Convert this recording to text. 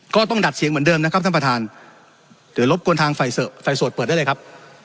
ก็ต้องดัดเสียงเหมือนเดิมนะครับท่านประธานเดี๋ยวรบกวนทางไฟโสดเปิดได้เลยครับ